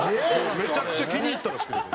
めちゃくちゃ気に入ったらしくて。